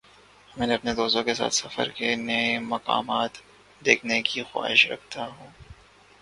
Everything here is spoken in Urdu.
میں اپنے دوستوں کے ساتھ سفر کر کے نئی مقامات دیکھنے کی خواہش رکھتا ہوں۔